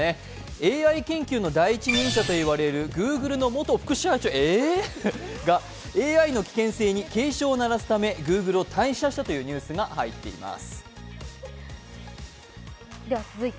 ＡＩ研究の第一人者と言われるＧｏｏｇｌｅの元副社長がＡＩの危険性に警鐘を鳴らすためＧｏｏｇｌｅを退社したというニュースが入っています。